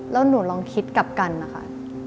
แล้วหนูลองคิดกลับกันนะคะ